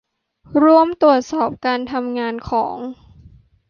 ร่วมตรวจสอบการทำงานของ